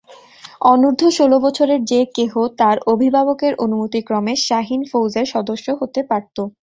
অনূর্ধ্ব ষোল বছরের যে কেহ তার অভিভাবকের অনুমতিক্রমে শাহীন ফৌজের সদস্য হতে পারত।